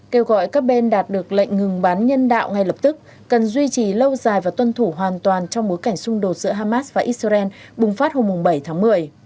kêu gọi các bên đạt được lệnh ngừng bắn nhân đạo ngay lập tức cần duy trì lâu dài và tuân thủ hoàn toàn trong bối cảnh xung đột giữa hamas và israel bùng phát hôm bảy tháng một mươi